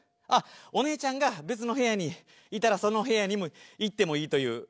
あっおねえちゃんが別の部屋にいたらその部屋に行ってもいいという。